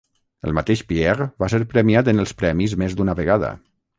El mateix Pierre va ser premiat en els premis més d'una vegada.